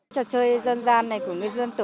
trò chơi dân gian này của người dân tự